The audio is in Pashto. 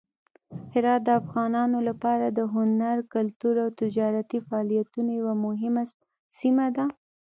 هرات د افغانانو لپاره د هنر، کلتور او تجارتي فعالیتونو یوه مهمه سیمه ده.